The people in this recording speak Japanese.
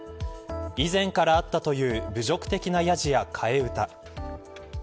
以前からあったという侮辱的なやじや替え歌。